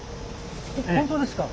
本当ですか？